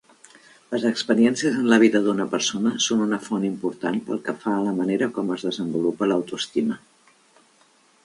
Les experiències en la vida d'una persona són una font important pel que fa a la manera com es desenvolupa l'autoestima.